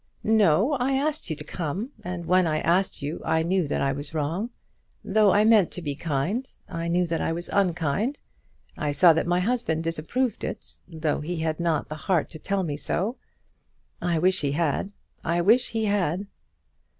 "No; I asked you to come, and when I asked you I knew that I was wrong. Though I meant to be kind, I knew that I was unkind. I saw that my husband disapproved it, though he had not the heart to tell me so. I wish he had. I wish he had."